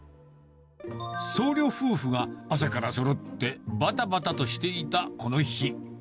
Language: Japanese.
僧侶夫婦が朝からそろってばたばたとしていたこの日。